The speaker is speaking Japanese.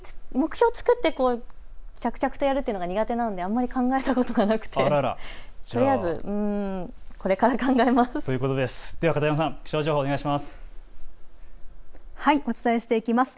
目標を作って着々とやるというのが苦手なのであまり考えたことがなくて、とりあえずこれから考えます。